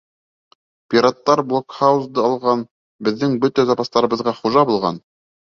Пираттар блокһаузды алған, беҙҙең бөтә запастарыбыҙға хужа булған.